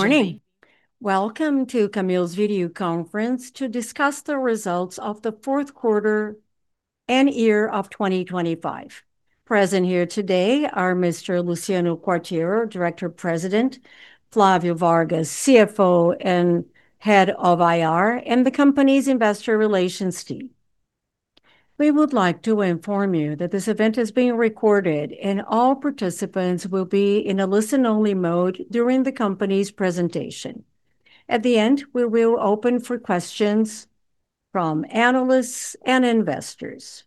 Good morning. Welcome to Camil's video conference to discuss the results of the fourth quarter and year of 2025. Present here today are Mr. Luciano Quartiero, Director President, Flavio Vargas, CFO and Head of IR, and the company's investor relations team. We would like to inform you that this event is being recorded, and all participants will be in a listen-only mode during the company's presentation. At the end, we will open for questions from analysts and investors.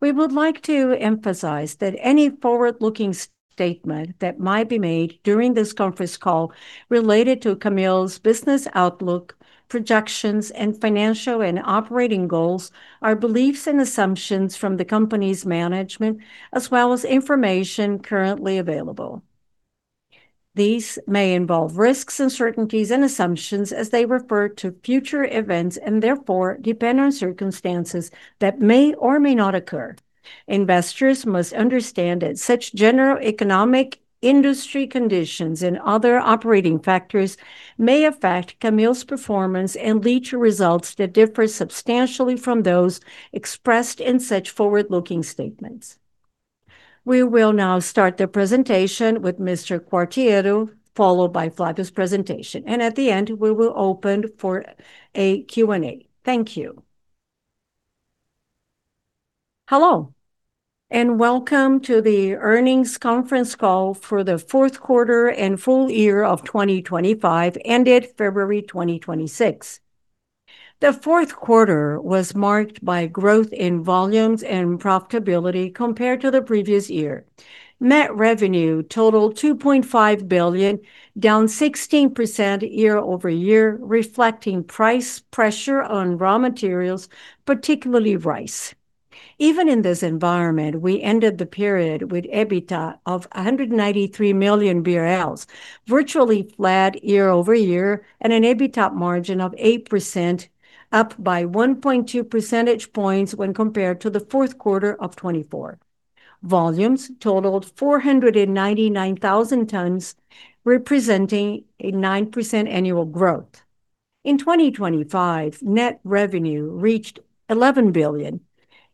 We would like to emphasize that any forward-looking statement that might be made during this conference call related to Camil's business outlook, projections, and financial and operating goals are beliefs and assumptions from the company's management, as well as information currently available. These may involve risks, uncertainties and assumptions as they refer to future events, and therefore depend on circumstances that may or may not occur. Investors must understand that such general economic industry conditions and other operating factors may affect Camil's performance and lead to results that differ substantially from those expressed in such forward-looking statements. We will now start the presentation with Mr. Quartiero, followed by Flavio's presentation. At the end, we will open for a Q&A. Thank you. Hello, and welcome to the earnings conference call for the fourth quarter and full year of 2025, ended February 2026. The fourth quarter was marked by growth in volumes and profitability compared to the previous year. Net revenue totaled BRL 2.5 billion, down 16% year-over-year, reflecting price pressure on raw materials, particularly rice. Even in this environment, we ended the period with EBITDA of 193 million BRL, virtually flat year-over-year, and an EBITDA margin of 8%, up by 1.2 percentage points when compared to the fourth quarter of 2024. Volumes totaled 499,000 tons, representing a 9% annual growth. In 2025, net revenue reached BRL 11 billion,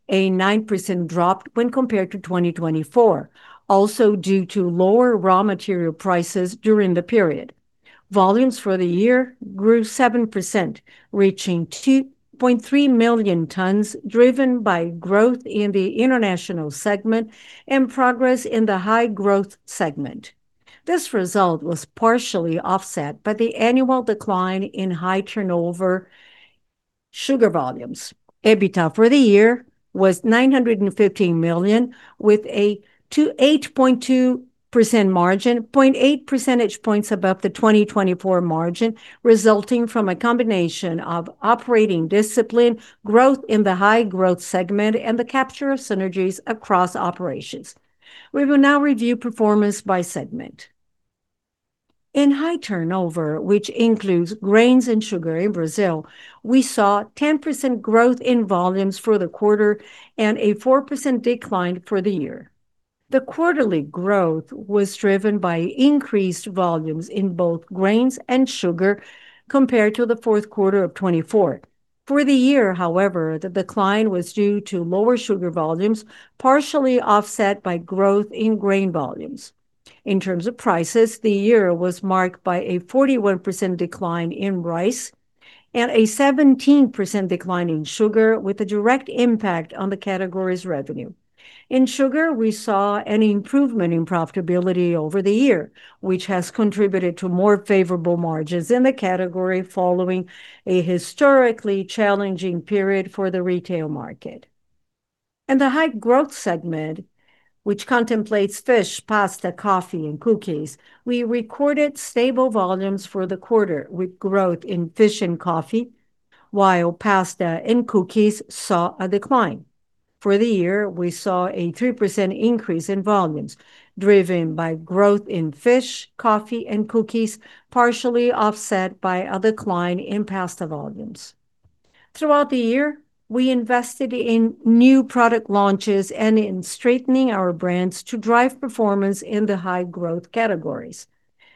a 9% drop when compared to 2024, also due to lower raw material prices during the period. Volumes for the year grew 7%, reaching 2.3 million tons, driven by growth in the International segment and progress in the High-Growth segment. This result was partially offset by the annual decline in High Turnover sugar volumes. EBITDA for the year was 915 million, with a 8.2% margin, 0.8 percentage points above the 2024 margin, resulting from a combination of operating discipline, growth in the High-Growth segment, and the capture of synergies across operations. We will now review performance by segment. In High Turnover, which includes grains and sugar in Brazil, we saw 10% growth in volumes for the quarter and a 4% decline for the year. The quarterly growth was driven by increased volumes in both grains and sugar compared to the fourth quarter of 2024. For the year, however, the decline was due to lower sugar volumes, partially offset by growth in grain volumes. In terms of prices, the year was marked by a 41% decline in rice and a 17% decline in sugar, with a direct impact on the category's revenue. In sugar, we saw an improvement in profitability over the year, which has contributed to more favorable margins in the category following a historically challenging period for the retail market. In the High-Growth segment, which contemplates fish, pasta, coffee, and cookies, we recorded stable volumes for the quarter with growth in fish and coffee, while pasta and cookies saw a decline. For the year, we saw a 3% increase in volumes, driven by growth in fish, coffee, and cookies, partially offset by a decline in pasta volumes. Throughout the year, we invested in new product launches and in strengthening our brands to drive performance in the High-Growth categories.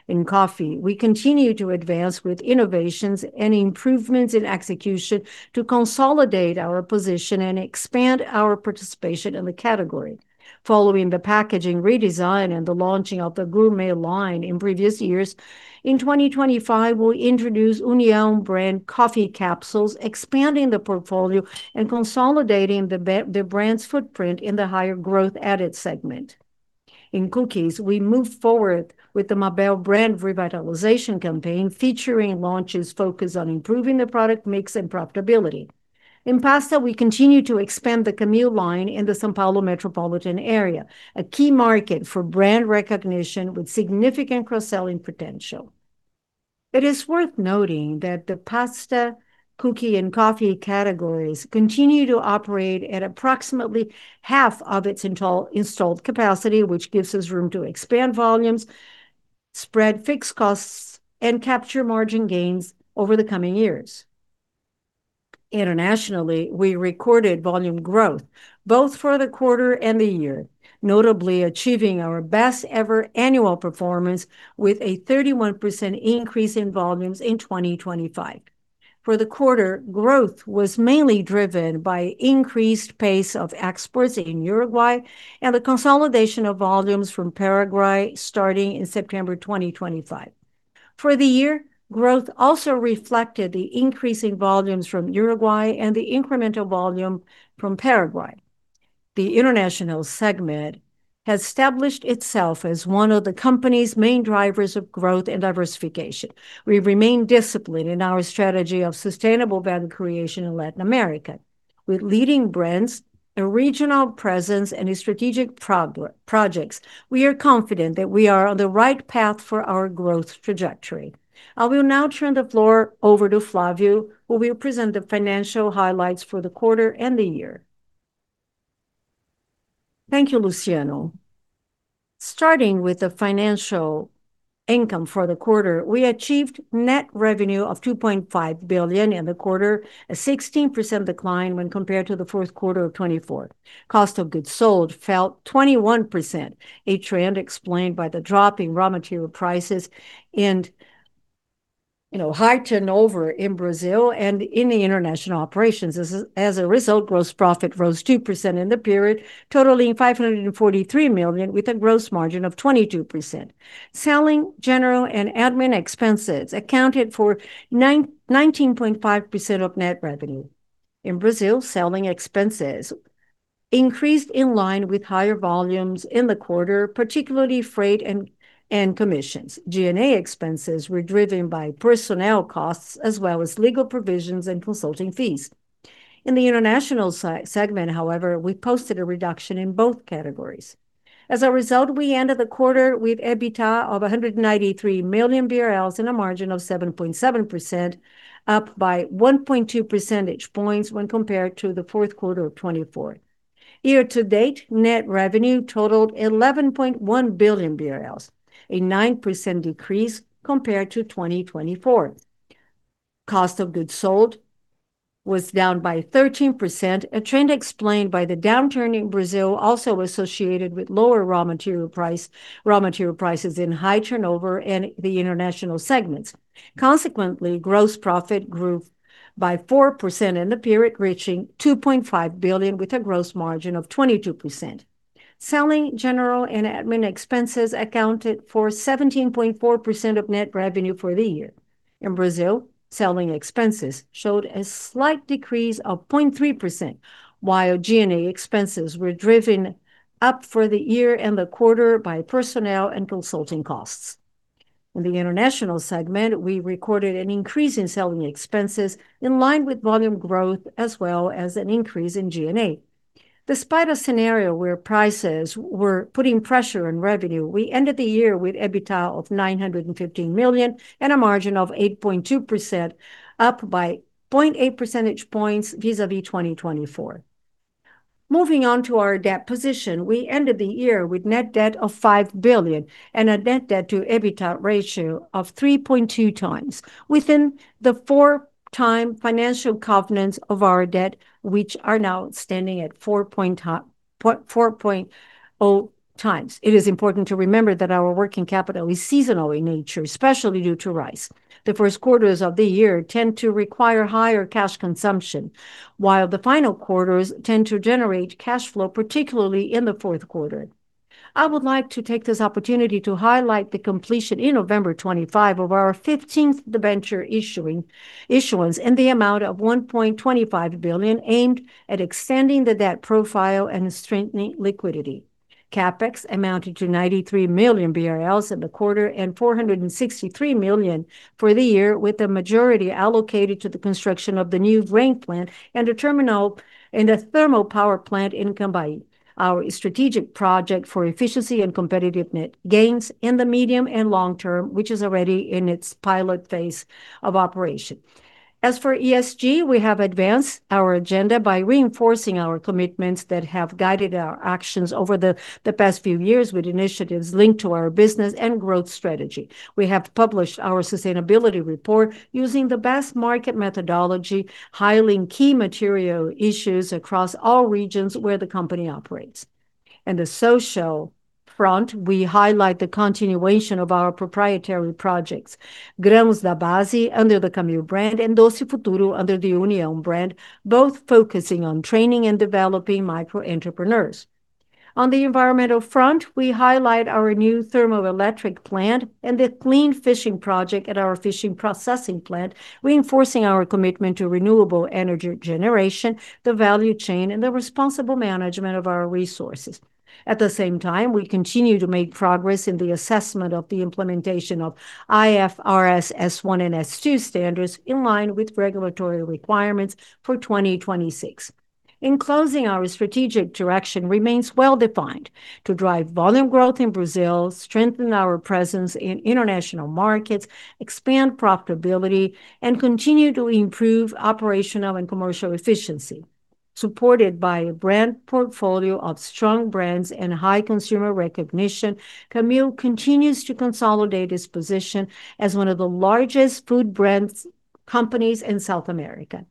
In coffee, we continue to advance with innovations and improvements in execution to consolidate our position and expand our participation in the category. Following the packaging redesign and the launching of the gourmet line in previous years, in 2025, we'll introduce União brand coffee capsules, expanding the portfolio and consolidating the brand's footprint in the higher growth added segment. In cookies, we moved forward with the Mabel brand revitalization campaign, featuring launches focused on improving the product mix and profitability. In pasta, we continue to expand the Camil line in the São Paulo metropolitan area, a key market for brand recognition with significant cross-selling potential. It is worth noting that the pasta, cookie, and coffee categories continue to operate at approximately half of its installed capacity, which gives us room to expand volumes, spread fixed costs, and capture margin gains over the coming years. Internationally, we recorded volume growth both for the quarter and the year, notably achieving our best ever annual performance with a 31% increase in volumes in 2025. For the quarter, growth was mainly driven by increased pace of exports in Uruguay and the consolidation of volumes from Paraguay starting in September 2025. For the year, growth also reflected the increasing volumes from Uruguay and the incremental volume from Paraguay. The International segment has established itself as one of the company's main drivers of growth and diversification. We remain disciplined in our strategy of sustainable value creation in Latin America. With leading brands, a regional presence, and strategic projects, we are confident that we are on the right path for our growth trajectory. I will now turn the floor over to Flavio, who will present the financial highlights for the quarter and the year. Thank you, Luciano. Starting with the financial income for the quarter, we achieved net revenue of 2.5 billion in the quarter, a 16% decline when compared to the fourth quarter of 2024. Cost of goods sold fell 21%, a trend explained by the drop in raw material prices and, you know, high turnover in Brazil and in the international operations. As a result, gross profit rose 2% in the period, totaling 543 million, with a gross margin of 22%. Selling, general, and admin expenses accounted for 19.5% of net revenue. In Brazil, selling expenses increased in line with higher volumes in the quarter, particularly freight and commissions. G&A expenses were driven by personnel costs, as well as legal provisions and consulting fees. In the International segment, however, we posted a reduction in both categories. As a result, we ended the quarter with EBITDA of 193 million BRL and a margin of 7.7%, up by 1.2 percentage points when compared to the fourth quarter of 2024. Year to date, net revenue totaled 11.1 billion BRL, a 9% decrease compared to 2024. Cost of goods sold was down by 13%, a trend explained by the downturn in Brazil, also associated with lower raw material prices in high turnover in the International segments. Gross profit grew by 4% in the period, reaching 2.5 billion, with a gross margin of 22%. Selling, General, and Admin Expenses accounted for 17.4% of net revenue for the year. In Brazil, selling expenses showed a slight decrease of 0.3%, while G&A expenses were driven up for the year and the quarter by personnel and consulting costs. In the International segment, we recorded an increase in selling expenses in line with volume growth, as well as an increase in G&A. Despite a scenario where prices were putting pressure on revenue, we ended the year with EBITDA of 915 million and a margin of 8.2%, up by 0.8 percentage points vis-à-vis 2024. Moving on to our debt position, we ended the year with net debt of 5 billion and a net debt to EBITDA ratio of 3.2x, within the 4x financial covenants of our debt, which are now standing at 4.0x. It is important to remember that our working capital is seasonal in nature, especially due to rice. The first quarters of the year tend to require higher cash consumption, while the final quarters tend to generate cash flow, particularly in the fourth quarter. I would like to take this opportunity to highlight the completion in November 25 of our 15th debenture issuance in the amount of 1.25 billion, aimed at extending the debt profile and strengthening liquidity. CapEx amounted to 93 million BRL in the quarter and 463 million for the year, with the majority allocated to the construction of the new grain plant and a terminal in the thermoelectric plant in Cambará, our strategic project for efficiency and competitive net gains in the medium and long term, which is already in its pilot phase of operation. As for ESG, we have advanced our agenda by reinforcing our commitments that have guided our actions over the past few years with initiatives linked to our business and growth strategy. We have published our sustainability report using the best market methodology, highlighting key material issues across all regions where the company operates. In the social front, we highlight the continuation of our proprietary projects, Grãos da Base under the Camil brand and Doce Futuro under the União brand, both focusing on training and developing micro entrepreneurs. On the environmental front, we highlight our new thermoelectric plant and the clean fishing project at our fishing processing plant, reinforcing our commitment to renewable energy generation, the value chain, and the responsible management of our resources. At the same time, we continue to make progress in the assessment of the implementation of IFRS S1 and S2 standards in line with regulatory requirements for 2026. In closing, our strategic direction remains well defined to drive volume growth in Brazil, strengthen our presence in international markets, expand profitability, and continue to improve operational and commercial efficiency. Supported by a brand portfolio of strong brands and high consumer recognition, Camil continues to consolidate its position as one of the largest food brands, companies in South America.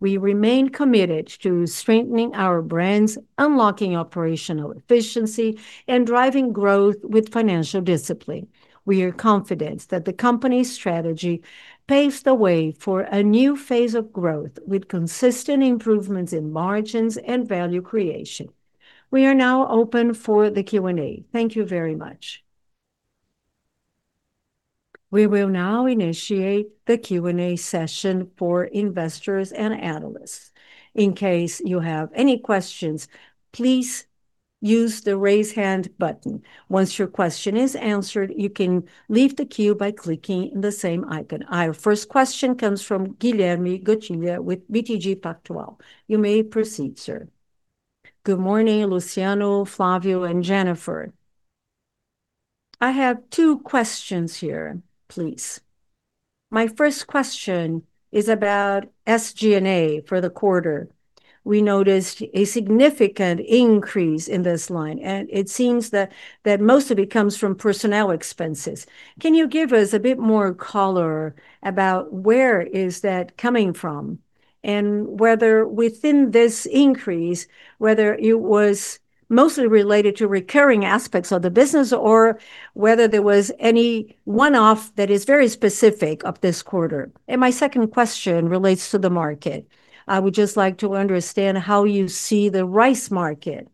We remain committed to strengthening our brands, unlocking operational efficiency, and driving growth with financial discipline. We are confident that the company's strategy paves the way for a new phase of growth with consistent improvements in margins and value creation. We are now open for the Q&A. Thank you very much. We will now initiate the Q&A session for investors and analysts. In case you have any questions, please use the Raise Hand button. Once your question is answered, you can leave the queue by clicking the same icon. Our first question comes from Guilherme Guttilla with BTG Pactual. You may proceed, sir. Good morning Luciano, Flavio, and Jenifer. I have two questions here, please. My first question is about SG&A for the quarter. We noticed a significant increase in this line, and it seems that most of it comes from personnel expenses. Can you give us a bit more color about where is that coming from, and whether within this increase, whether it was mostly related to recurring aspects of the business or whether there was any one-off that is very specific of this quarter? My second question relates to the market. I would just like to understand how you see the rice market.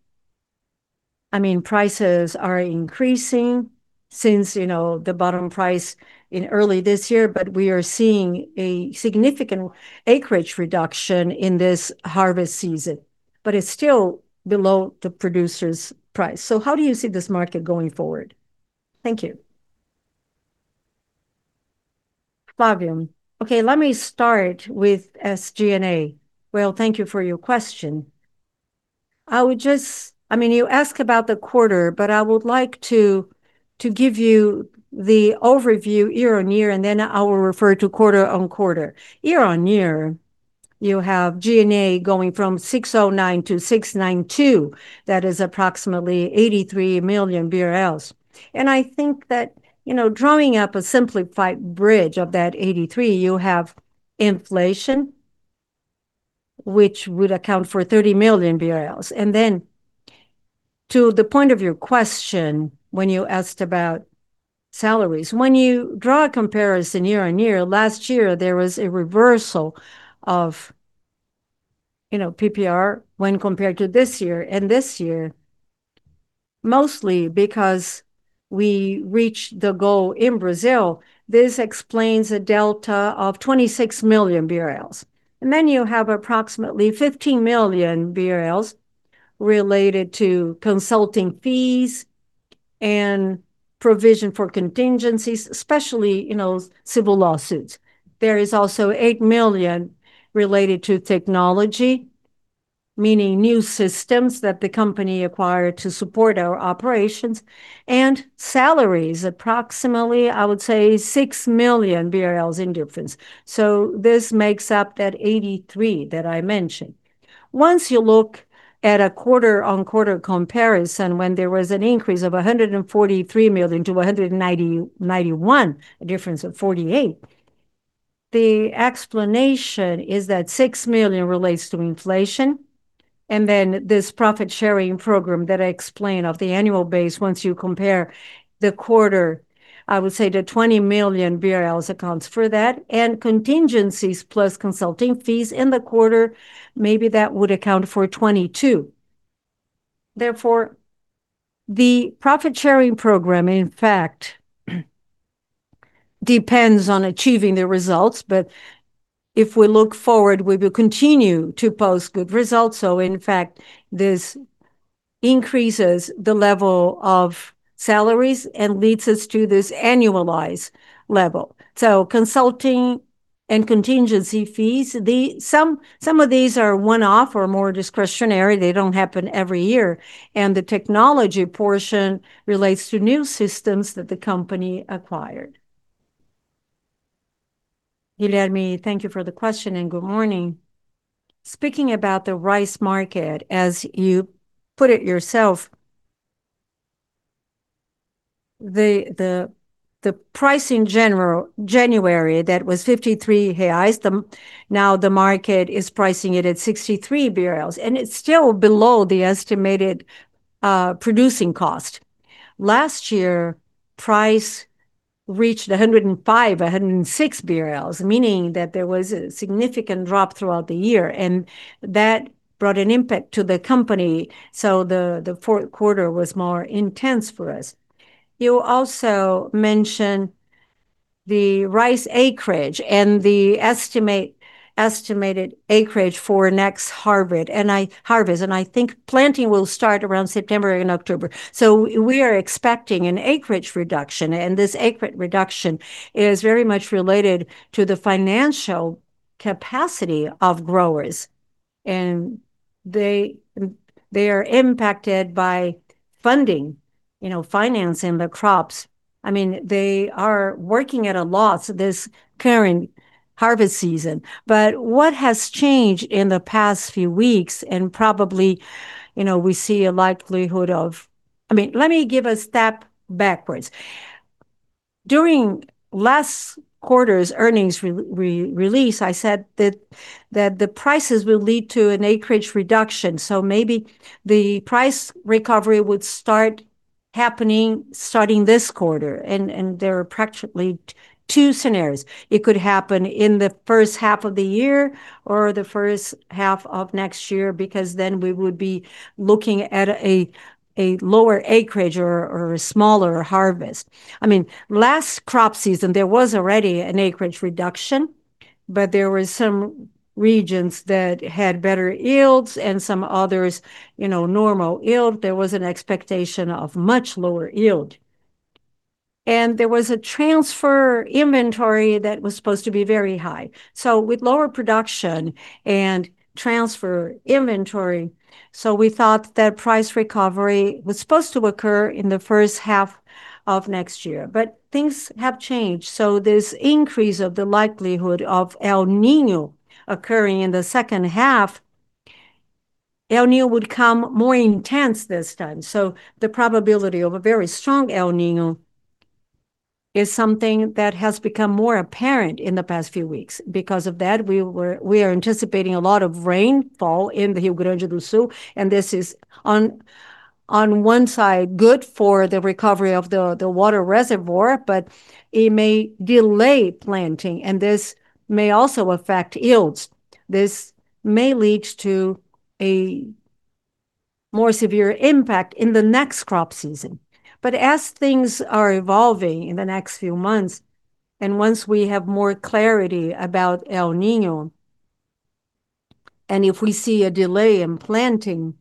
I mean, prices are increasing since, you know, the bottom price in early this year, but we are seeing a significant acreage reduction in this harvest season. It's still below the producer's price. How do you see this market going forward? Thank you. Flavio. Okay, let me start with SG&A. Well, thank you for your question. I would just, I mean, you ask about the quarter, I would like to give you the overview year-on-year, and then I will refer to quarter-on-quarter. Year-on-year, you have SG&A going from 609 million to 692 million. That is approximately 83 million BRL. I think that, you know, drawing up a simplified bridge of that 83 million, you have inflation, which would account for 30 million BRL. To the point of your question when you asked about salaries, when you draw a comparison year-on-year, last year there was a reversal of, you know, PPR when compared to this year. This year, mostly because we reached the goal in Brazil. This explains a delta of 26 million BRL. You have approximately 15 million BRL related to consulting fees and provision for contingencies, especially, you know, civil lawsuits. There is also 8 million related to technology, meaning new systems that the company acquired to support our operations. Salaries, approximately, I would say, 6 million BRL in difference. This makes up that 83 that I mentioned. Once you look at a quarter-on-quarter comparison when there was an increase of 143 million to `BRL 191 million, a difference of 48 million, the explanation is that 6 million relates to inflation, and then this profit-sharing program that I explained of the annual base once you compare the quarter, I would say the 20 million BRL accounts for that. Contingencies plus consulting fees in the quarter, maybe that would account for 22 million. The profit-sharing program, in fact, depends on achieving the results. If we look forward, we will continue to post good results, in fact, this increases the level of salaries and leads us to this annualized level. Consulting and contingency fees, some of these are one-off or more discretionary. They don't happen every year. The technology portion relates to new systems that the company acquired. Guilherme, thank you for the question, and good morning. Speaking about the rice market, as you put it yourself, the price in general, January, that was 53. Now the market is pricing it at 63, and it's still below the estimated producing cost. Last year, price reached 105, 106 BRL, meaning that there was a significant drop throughout the year, and that brought an impact to the company, so the fourth quarter was more intense for us. You also mention the rice acreage and the estimated acreage for next harvest. I think planting will start around September and October. We are expecting an acreage reduction, this acreage reduction is very much related to the financial capacity of growers. They are impacted by funding, you know, financing the crops. I mean, they are working at a loss this current harvest season. What has changed in the past few weeks and probably, you know, I mean, let me give a step backwards. During last quarter's earnings release, I said that the prices will lead to an acreage reduction, so maybe the price recovery would start happening starting this quarter. There are practically two scenarios. It could happen in the first half of the year or the first half of next year because we would be looking at a lower acreage or a smaller harvest. I mean, last crop season there was already an acreage reduction, but there were some regions that had better yields and some others, you know, normal yield. There was an expectation of much lower yield. There was a transfer inventory that was supposed to be very high. With lower production and transfer inventory, we thought that price recovery was supposed to occur in the first half of next year. Things have changed. This increase of the likelihood of El Niño occurring in the second half, El Niño would come more intense this time. The probability of a very strong El Niño is something that has become more apparent in the past few weeks. Because of that, we are anticipating a lot of rainfall in the Rio Grande do Sul, and this is on one side good for the recovery of the water reservoir, but it may delay planting and this may also affect yields. This may lead to a more severe impact in the next crop season. As things are evolving in the next few months, and once we have more clarity about El Niño, and if we see a delay in planting,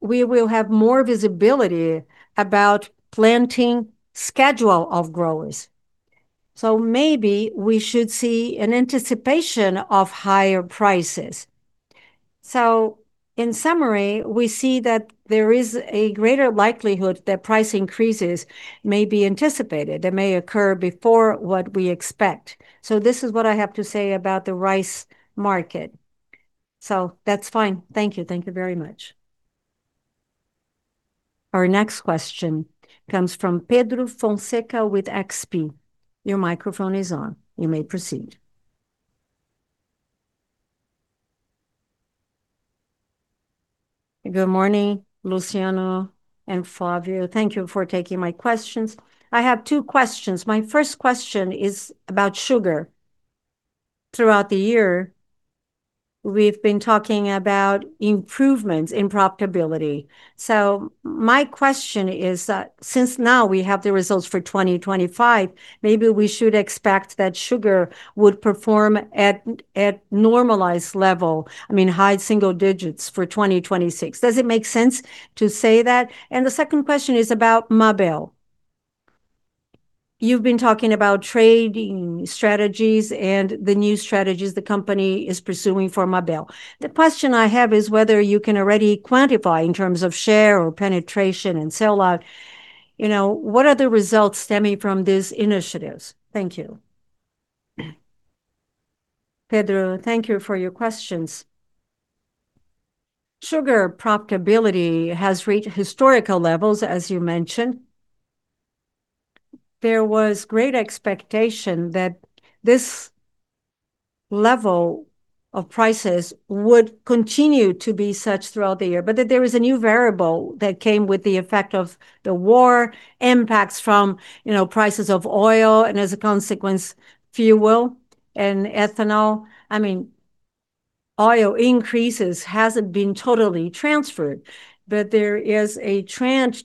we will have more visibility about planting schedule of growers. Maybe we should see an anticipation of higher prices. In summary, we see that there is a greater likelihood that price increases may be anticipated. They may occur before what we expect. This is what I have to say about the rice market. That's fine. Thank you. Thank you very much. Our next question comes from Pedro Fonseca with XP. Your microphone is on. You may proceed. Good morning, Luciano and Flavio. Thank you for taking my questions. I have two questions. My first question is about sugar. Throughout the year, we've been talking about improvements in profitability. My question is that since now we have the results for 2025, maybe we should expect that sugar would perform at normalized level, I mean, high single digits for 2026. Does it make sense to say that? The second question is about Mabel. You've been talking about trading strategies and the new strategies the company is pursuing for Mabel. The question I have is whether you can already quantify in terms of share or penetration and sell out, you know, what are the results stemming from these initiatives? Thank you. Pedro, thank you for your questions. Sugar profitability has reached historical levels, as you mentioned. There was great expectation that this level of prices would continue to be such throughout the year, but that there is a new variable that came with the effect of the war, impacts from, you know, prices of oil and, as a consequence, fuel and ethanol. I mean, oil increases hasn't been totally transferred, but there is a trend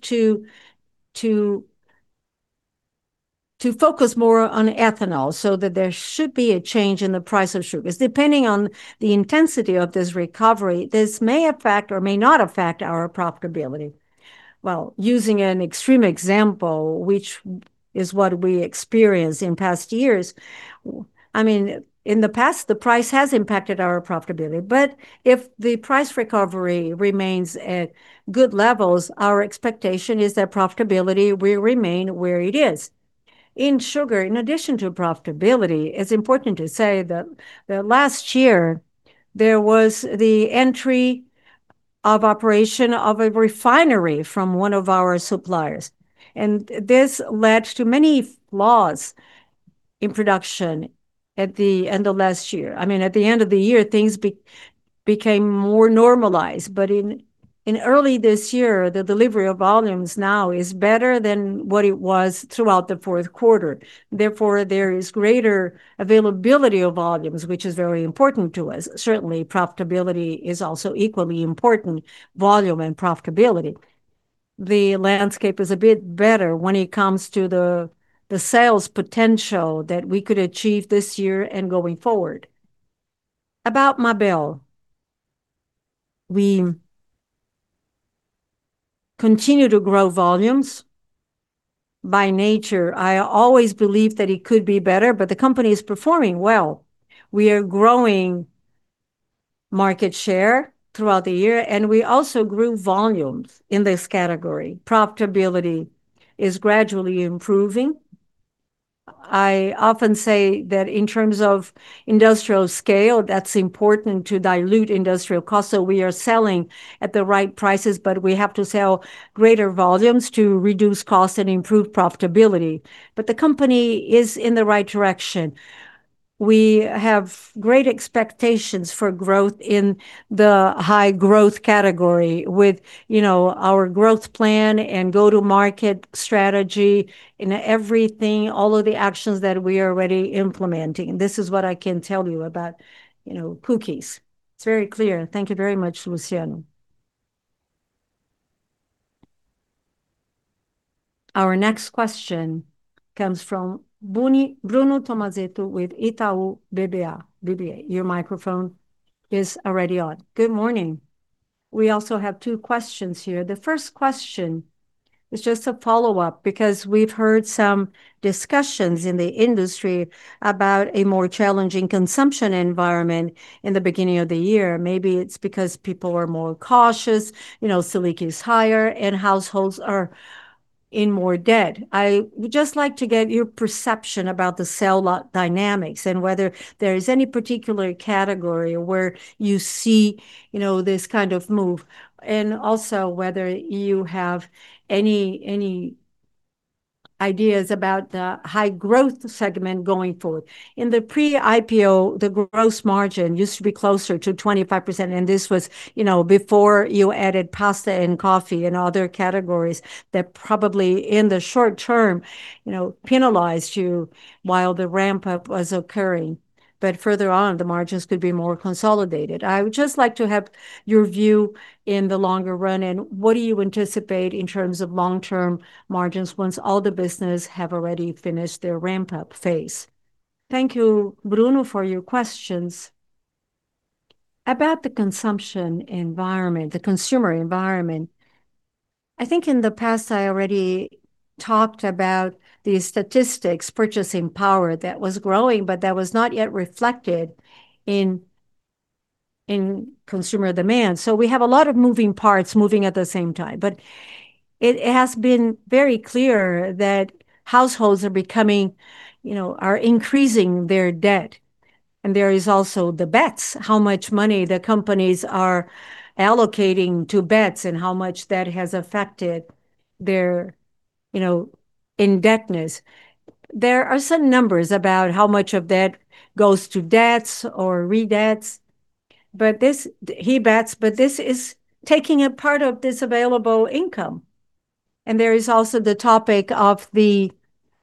to focus more on ethanol so that there should be a change in the price of sugars. Depending on the intensity of this recovery, this may affect or may not affect our profitability. Well, using an extreme example, which is what we experienced in past years, I mean, in the past, the price has impacted our profitability. If the price recovery remains at good levels, our expectation is that profitability will remain where it is. In sugar, in addition to profitability, it's important to say that last year there was the entry of operation of a refinery from one of our suppliers, and this led to many flaws in production at the end of last year. I mean, at the end of the year, things became more normalized. In early this year, the delivery of volumes now is better than what it was throughout the fourth quarter. Therefore, there is greater availability of volumes, which is very important to us. Certainly, profitability is also equally important, volume and profitability. The landscape is a bit better when it comes to the sales potential that we could achieve this year and going forward. About Mabel, we continue to grow volumes. By nature, I always believe that it could be better. The company is performing well. We are growing market share throughout the year, and we also grew volumes in this category. Profitability is gradually improving. I often say that in terms of industrial scale, that's important to dilute industrial costs. We are selling at the right prices. We have to sell greater volumes to reduce costs and improve profitability. The company is in the right direction. We have great expectations for growth in the high growth category with, you know, our growth plan and go-to-market strategy in everything, all of the actions that we are already implementing. This is what I can tell you about, you know, cookies. It's very clear. Thank you very much, Luciano. Our next question comes from Bruno Tomazetto with Itaú BBA. Your microphone is already on. Good morning. We also have two questions here. The 1st question is just a follow-up because we've heard some discussions in the industry about a more challenging consumption environment in the beginning of the year. Maybe it's because people are more cautious, you know, Selic is higher, and households are in more debt. I would just like to get your perception about the sell dynamics and whether there is any particular category where you see, you know, this kind of move, and also whether you have any ideas about the high growth segment going forward. In the pre-IPO, the gross margin used to be closer to 25%, and this was, you know, before you added pasta and coffee and other categories that probably in the short term, you know, penalized you while the ramp-up was occurring. Further on, the margins could be more consolidated. I would just like to have your view in the longer run, and what do you anticipate in terms of long-term margins once all the business have already finished their ramp-up phase? Thank you, Bruno, for your questions. About the consumption environment, the consumer environment, I think in the past I already talked about the statistics, purchasing power that was growing, but that was not yet reflected in consumer demand. We have a lot of moving parts moving at the same time. It has been very clear that households are becoming, you know, increasing their debt, and there is also the bets, how much money the companies are allocating to bets and how much that has affected their, you know, indebtedness. There are some numbers about how much of that goes to debts or re-debts, but this debts, this is taking a part of this available income. There is also the topic of the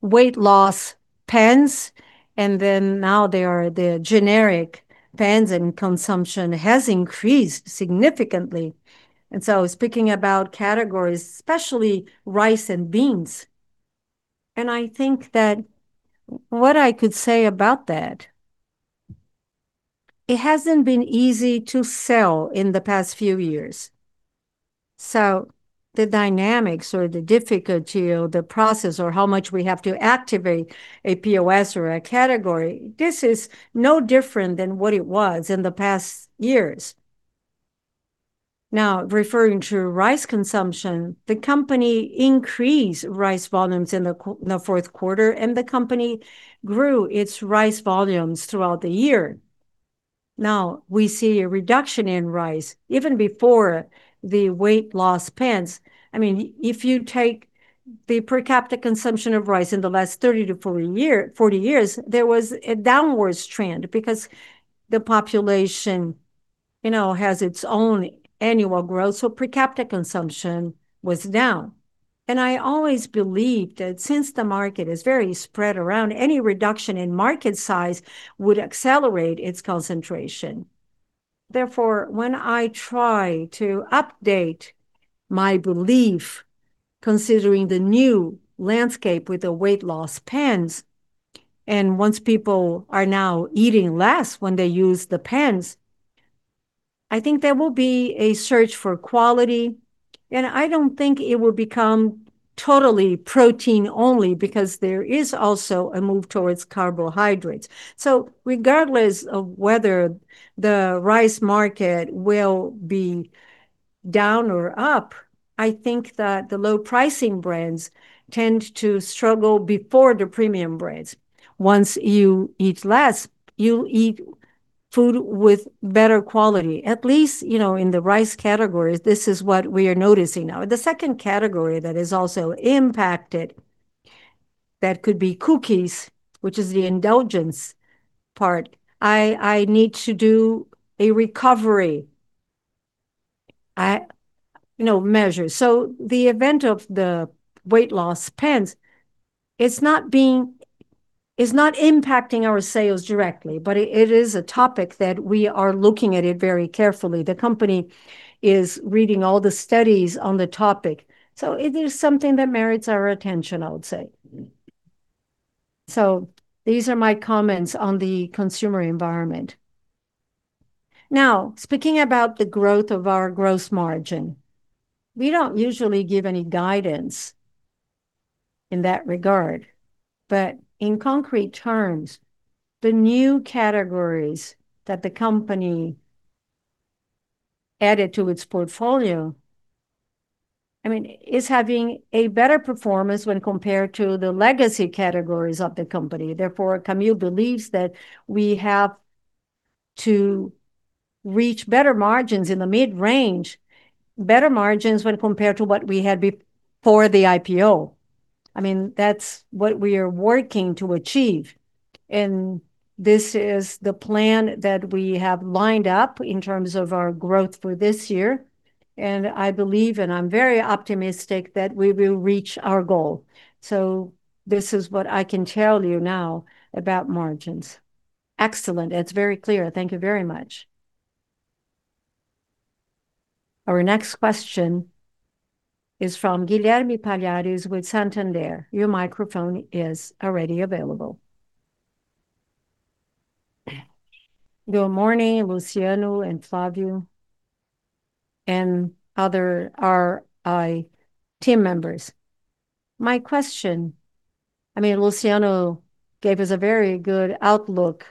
weight loss pens, and then now there are the generic pens, and consumption has increased significantly. Speaking about categories, especially rice and beans. I think that what I could say about that, it hasn't been easy to sell in the past few years. The dynamics or the difficulty or the process or how much we have to activate a POS or a category, this is no different than what it was in the past years. Referring to rice consumption, the company increased rice volumes in the fourth quarter, and the company grew its rice volumes throughout the year. We see a reduction in rice even before the weight loss pens. I mean, if you take the per capita consumption of rice in the last 30 to 40 years, there was a downward trend because the population, you know, has its own annual growth, so per capita consumption was down. I always believed that since the market is very spread around, any reduction in market size would accelerate its concentration. When I try to update my belief considering the new landscape with the weight loss pens, and once people are now eating less when they use the pens, I think there will be a search for quality, and I don't think it will become totally protein only because there is also a move towards carbohydrates. Regardless of whether the rice market will be down or up, I think that the low pricing brands tend to struggle before the premium brands. Once you eat less, you eat food with better quality. At least, you know, in the rice categories, this is what we are noticing now. The second category that is also impacted, that could be cookies, which is the indulgence part. I need to do a recovery. The event of the weight loss pens, it's not impacting our sales directly, but it is a topic that we are looking at it very carefully. The company is reading all the studies on the topic. It is something that merits our attention, I would say. These are my comments on the consumer environment. Speaking about the growth of our gross margin, we don't usually give any guidance in that regard. In concrete terms, the new categories that the company added to its portfolio, I mean, is having a better performance when compared to the legacy categories of the company. Camil believes that we have to reach better margins in the mid-range, better margins when compared to what we had for the IPO. I mean, that's what we are working to achieve, and this is the plan that we have lined up in terms of our growth for this year, and I believe, and I'm very optimistic, that we will reach our goal. This is what I can tell you now about margins. Excellent. It's very clear. Thank you very much. Our next question is from Guilherme Palhares with Santander. Your microphone is already available. Good morning, Luciano and Flavio, and other IR team members. My question I mean, Luciano gave us a very good outlook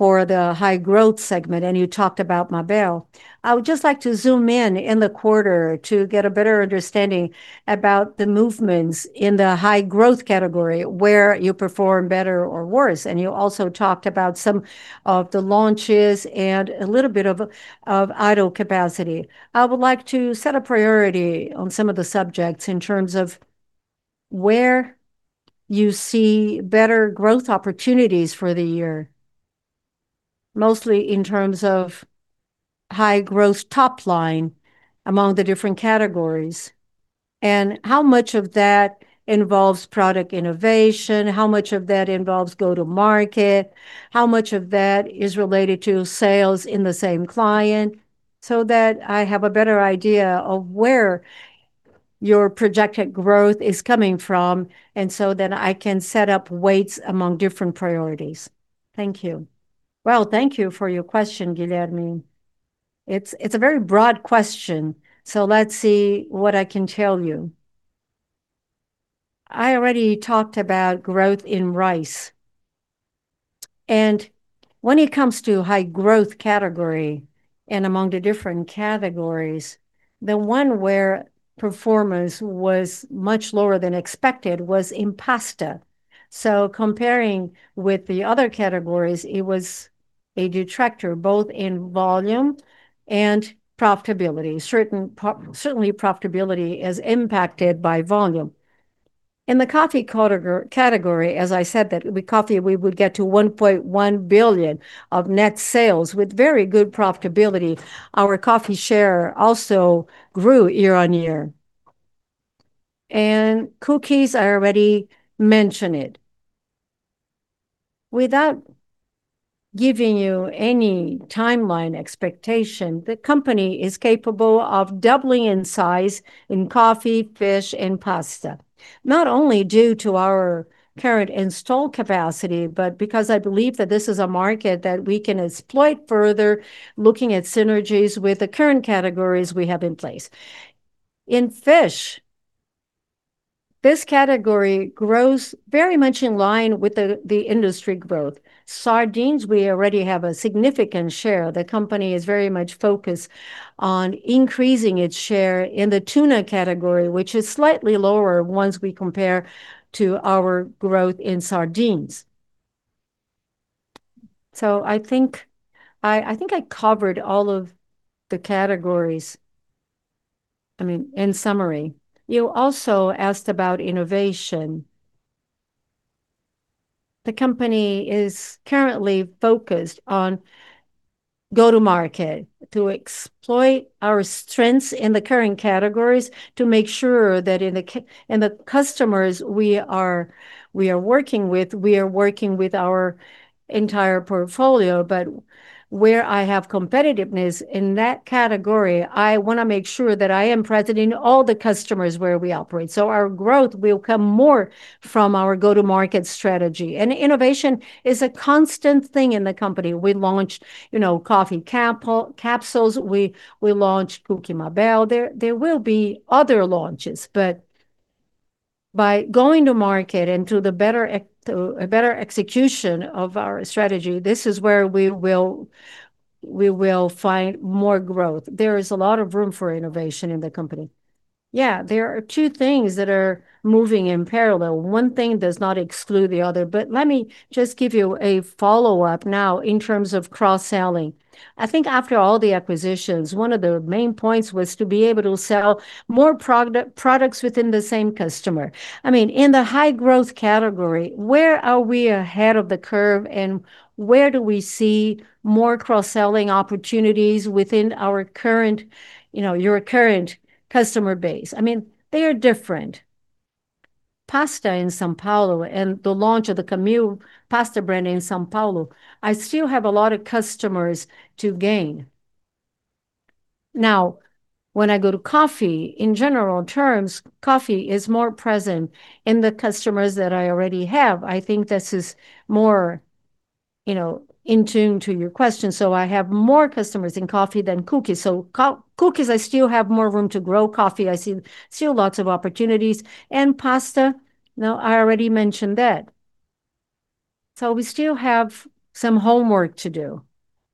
for the high growth segment, and you talked about Mabel. I would just like to zoom in the quarter to get a better understanding about the movements in the high growth category where you perform better or worse, and you also talked about some of the launches and a little bit of idle capacity. I would like to set a priority on some of the subjects in terms of where you see better growth opportunities for the year, mostly in terms of high growth top line among the different categories. How much of that involves product innovation, how much of that involves go-to-market, how much of that is related to sales in the same client, so that I have a better idea of where your projected growth is coming from, then I can set up weights among different priorities. Thank you. Well, thank you for your question, Guilherme. It's a very broad question, so let's see what I can tell you. I already talked about growth in rice. When it comes to high growth category and among the different categories, the one where performance was much lower than expected was in pasta. Comparing with the other categories, it was a detractor both in volume and profitability. Certainly profitability is impacted by volume. In the coffee category, as I said that with coffee we would get to 1.1 billion of net sales with very good profitability. Our coffee share also grew year-on-year. Cookies, I already mentioned it. Without giving you any timeline expectation, the company is capable of doubling in size in coffee, fish, and pasta, not only due to our current installed capacity, but because I believe that this is a market that we can exploit further looking at synergies with the current categories we have in place. In fish, this category grows very much in line with the industry growth. Sardines, we already have a significant share. The company is very much focused on increasing its share in the tuna category, which is slightly lower once we compare to our growth in sardines. I think I covered all of the categories, I mean, in summary. You also asked about innovation. The company is currently focused on go to market to exploit our strengths in the current categories to make sure that in the customers we are working with, we are working with our entire portfolio. Where I have competitiveness in that category, I want to make sure that I am present in all the customers where we operate. Our growth will come more from our go-to-market strategy. Innovation is a constant thing in the company. We launched, you know, coffee capsules. We launched Cookie Mabel. There will be other launches, but by going to market and to the better execution of our strategy, this is where we will find more growth. There's a lot of room for innovation in the company. Yeah, there are two things that are moving in parallel. One thing does not exclude the other. Let me just give you a follow-up now in terms of cross-selling. I think after all the acquisitions, one of the main points was to be able to sell more products within the same customer. I mean, in the high growth category, where are we ahead of the curve and where do we see more cross-selling opportunities within our current, you know, your current customer base? I mean, they are different. Pasta in São Paulo and the launch of the Camil pasta brand in São Paulo, I still have a lot of customers to gain. Now, when I go to coffee, in general terms, coffee is more present in the customers that I already have. I think this is more, you know, in tune to your question, so I have more customers in coffee than cookies. Cookies, I still have more room to grow. Coffee, I see, still lots of opportunities, and pasta, now I already mentioned that. We still have some homework to do,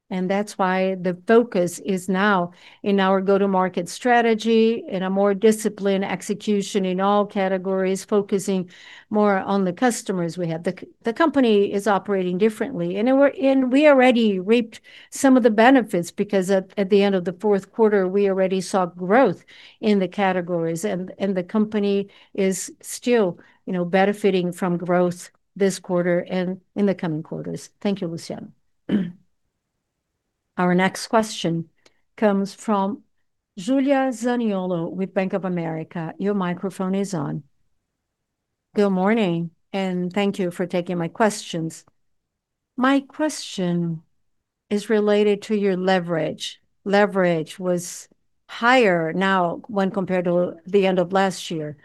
and that's why the focus is now in our go-to-market strategy, in a more disciplined execution in all categories, focusing more on the customers we have. The company is operating differently, and we already reaped some of the benefits because at the end of the fourth quarter we already saw growth in the categories. The company is still, you know, benefiting from growth this quarter and in the coming quarters. Thank you, Luciano. Our next question comes from Julia Zaniolo with Bank of America. Your microphone is on. Good morning, and thank you for taking my questions. My question is related to your leverage. Leverage was higher now when compared to the end of last year,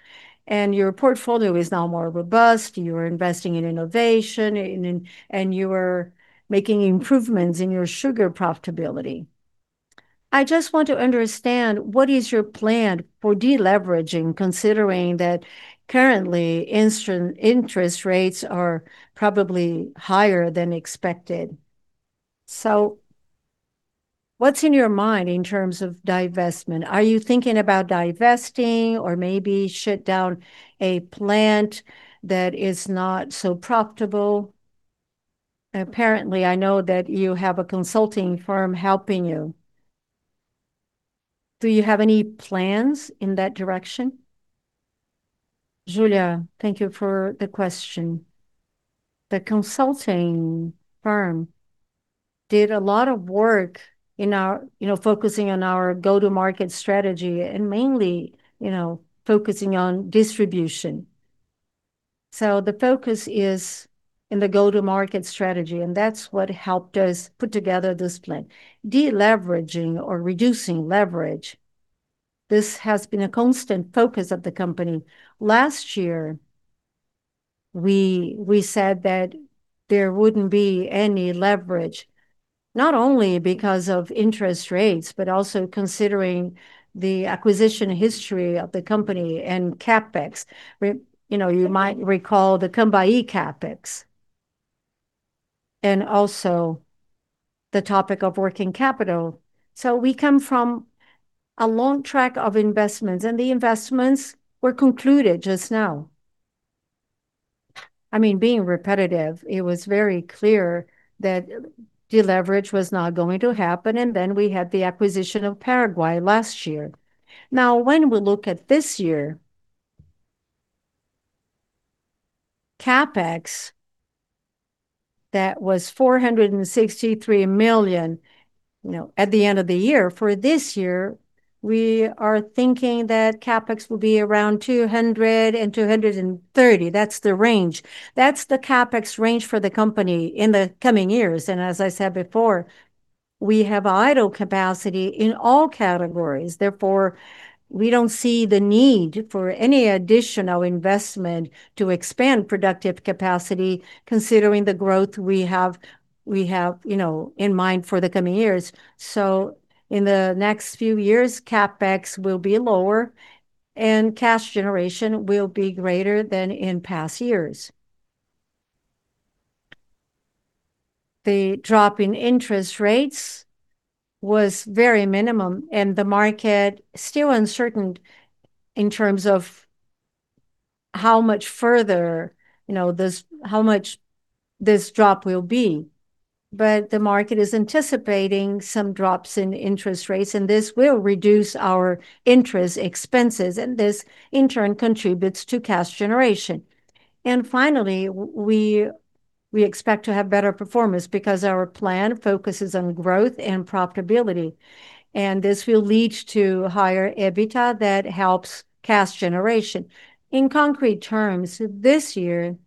and your portfolio is now more robust. You're investing in innovation and you are making improvements in your sugar profitability. I just want to understand what is your plan for de-leveraging, considering that currently interest rates are probably higher than expected. What's in your mind in terms of divestment? Are you thinking about divesting or maybe shut down a plant that is not so profitable? Apparently I know that you have a consulting firm helping you. Do you have any plans in that direction? Julia, thank you for the question. The consulting firm did a lot of work in our, you know, focusing on our go-to-market strategy, and mainly, you know, focusing on distribution. The focus is in the go-to-market strategy, and that's what helped us put together this plan. De-leveraging or reducing leverage, this has been a constant focus of the company. Last year we said that there wouldn't be any leverage, not only because of interest rates, but also considering the acquisition history of the company and CapEx. You know, you might recall the Cambará CapEx, and also the topic of working capital. We come from a long track of investments, and the investments were concluded just now. I mean, being repetitive, it was very clear that de-leverage was not going to happen, and then we had the acquisition of Paraguay last year. When we look at this year, CapEx, that was 463 million, you know, at the end of the year. For this year we are thinking that CapEx will be around 200 million-230 million. That's the range. That's the CapEx range for the company in the coming years. As I said before, we have idle capacity in all categories. Therefore, we don't see the need for any additional investment to expand productive capacity considering the growth we have, you know, in mind for the coming years. In the next few years, CapEx will be lower and cash generation will be greater than in past years. The drop in interest rates was very minimum, and the market still uncertain in terms of how much further, you know, how much this drop will be. The market is anticipating some drops in interest rates, and this will reduce our interest expenses, and this in turn contributes to cash generation. Finally, we expect to have better performance because our plan focuses on growth and profitability, and this will lead to higher EBITDA that helps cash generation. In concrete terms, this year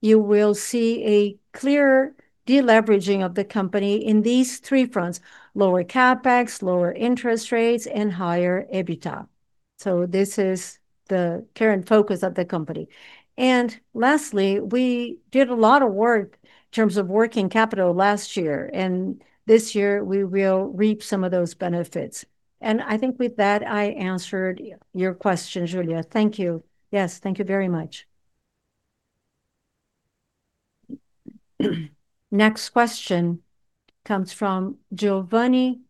you will see a clear de-leveraging of the company in these three fronts, lower CapEx, lower interest rates, and higher EBITDA. This is the current focus of the company. Lastly, we did a lot of work in terms of working capital last year, and this year we will reap some of those benefits. I think with that, I answered your question, Julia. Thank you. Yes, thank you very much. Next question comes from Giovanni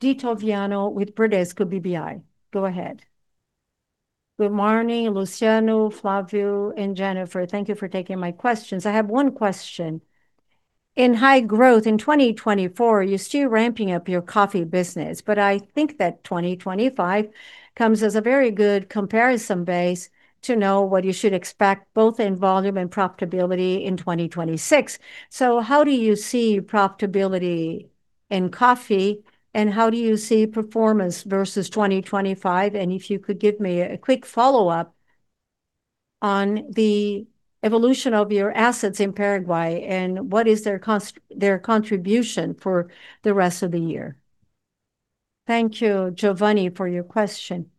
D'Ottaviano with Bradesco BBI. Go ahead. Good morning, Luciano, Flavio, and Jenifer. Thank you for taking my questions. I have one question. In high growth in 2024, you're still ramping up your coffee business, but I think that 2025 comes as a very good comparison base to know what you should expect both in volume and profitability in 2026. How do you see profitability in coffee, and how do you see performance versus 2025? If you could give me a quick follow-up on the evolution of your assets in Paraguay, and what is their contribution for the rest of the year? Thank you, Giovanni, for your question.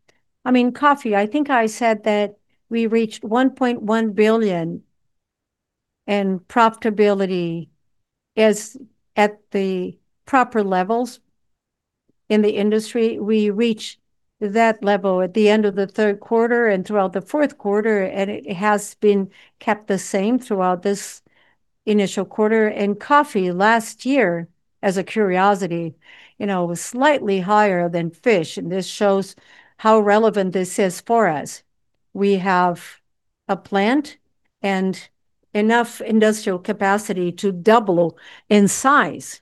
I mean, coffee, I think I said that we reached 1.1 billion in profitability. As at the proper levels in the industry, we reached that level at the end of the third quarter and throughout the fourth quarter. It has been kept the same throughout this initial quarter. Coffee last year, as a curiosity, you know, was slightly higher than fish, and this shows how relevant this is for us. We have a plant and enough industrial capacity to double in size,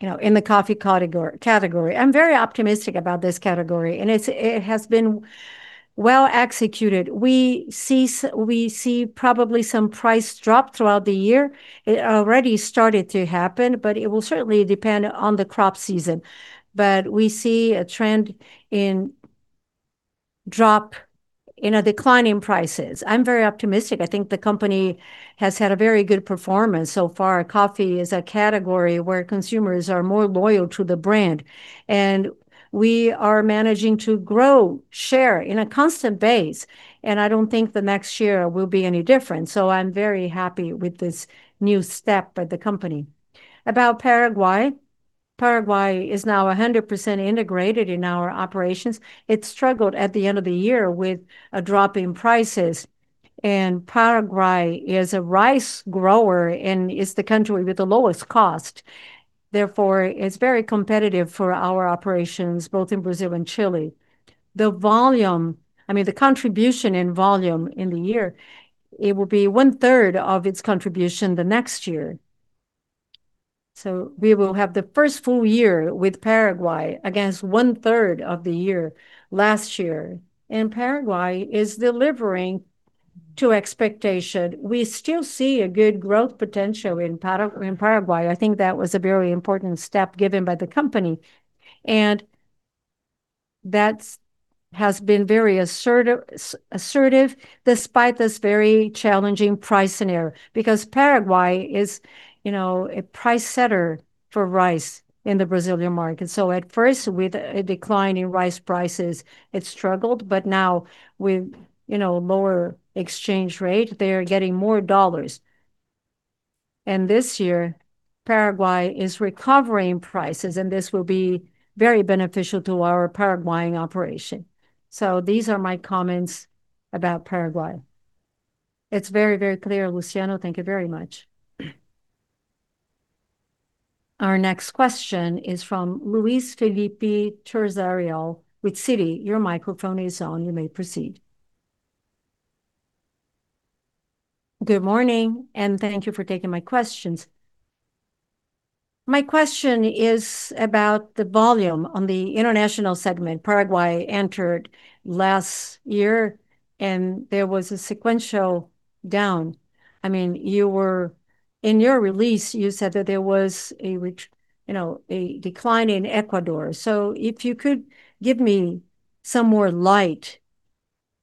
you know, in the coffee category. I'm very optimistic about this category, and it has been well executed. We see probably some price drop throughout the year. It already started to happen, it will certainly depend on the crop season. We see a trend in drop, in a decline in prices. I'm very optimistic. I think the company has had a very good performance so far. Coffee is a category where consumers are more loyal to the brand. We are managing to grow share in a constant base. I don't think the next year will be any different, so I'm very happy with this new step at the company. About Paraguay is now 100% integrated in our operations. It struggled at the end of the year with a drop in prices. Paraguay is a rice grower and is the country with the lowest cost, therefore it's very competitive for our operations both in Brazil and Chile. I mean, the contribution in volume in the year, it will be 1/3 of its contribution the next year. We will have the first full year with Paraguay against 1/3 of the year last year, and Paraguay is delivering to expectation. We still see a good growth potential in Paraguay. I think that was a very important step given by the company, and that has been very assertive despite this very challenging price scenario. Because Paraguay is, you know, a price setter for rice in the Brazilian market. At first with a decline in rice prices, it struggled, but now with, you know, lower exchange rate, they are getting more dollars. This year Paraguay is recovering prices, and this will be very beneficial to our Paraguayan operation. These are my comments about Paraguay. It's very, very clear, Luciano. Thank you very much. Our next question is from Luis Felipe Terzariol with Citi. Your microphone is on. You may proceed. Good morning and thank you for taking my questions. My question is about the volume on the International segment. Paraguay entered last year and there was a sequential down. I mean, you were in your release you said that there was a decline in Ecuador. If you could give me some more light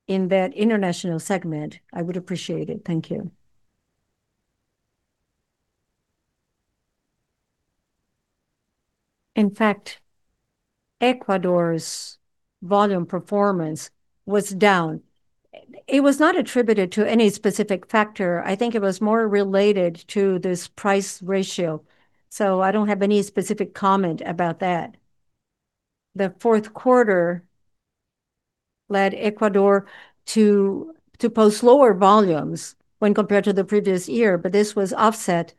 in that International segment, I would appreciate it. Thank you. In fact, Ecuador's volume performance was down. It was not attributed to any specific factor. I think it was more related to this price ratio, so I don't have any specific comment about that. The fourth quarter led Ecuador to post lower volumes when compared to the previous year, but this was offset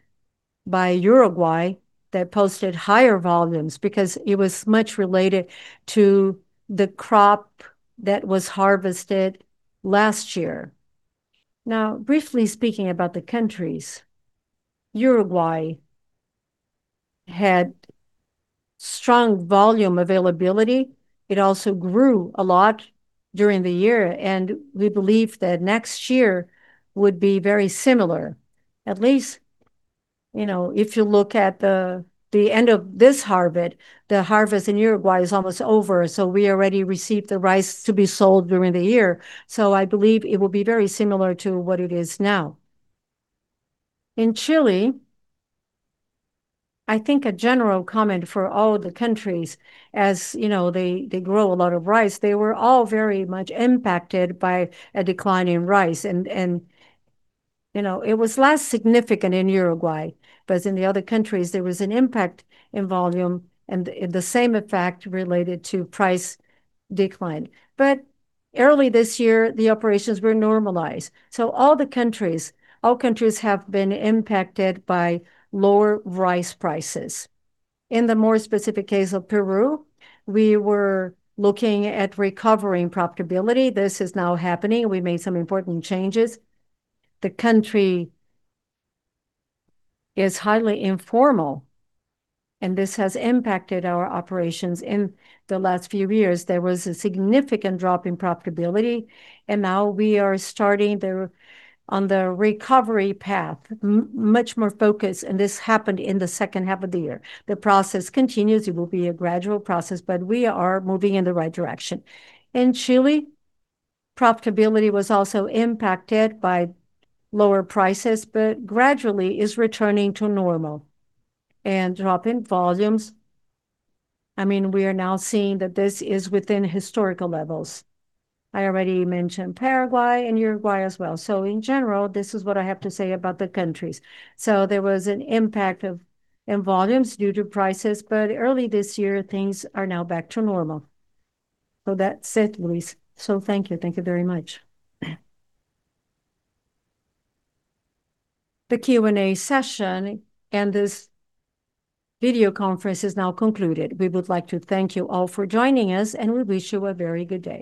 by Uruguay that posted higher volumes because it was much related to the crop that was harvested last year. Briefly speaking about the countries, Uruguay had strong volume availability. It also grew a lot during the year, and we believe that next year would be very similar. At least, you know, if you look at the end of this harvest, the harvest in Uruguay is almost over, we already received the rice to be sold during the year. I believe it will be very similar to what it is now. In Chile, I think a general comment for all the countries, as, you know, they grow a lot of rice, they were all very much impacted by a decline in rice and, you know, it was less significant in Uruguay, but in the other countries there was an impact in volume and the same effect related to price decline. Early this year the operations were normalized. All the countries, all countries have been impacted by lower rice prices. In the more specific case of Peru, we were looking at recovering profitability. This is now happening. We made some important changes. The country is highly informal, and this has impacted our operations. In the last few years there was a significant drop in profitability, now we are starting on the recovery path, much more focus, and this happened in the second half of the year. The process continues. It will be a gradual process, but we are moving in the right direction. In Chile, profitability was also impacted by lower prices, but gradually is returning to normal. Drop in volumes, I mean, we are now seeing that this is within historical levels. I already mentioned Paraguay and Uruguay as well. In general, this is what I have to say about the countries. There was an impact in volumes due to prices, but early this year things are now back to normal. That's it, Luis. Thank you. Thank you very much. The Q&A session and this video conference is now concluded. We would like to thank you all for joining us, and we wish you a very good day.